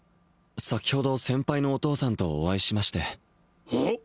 先ほど先輩のお父さんとお会いしましておっ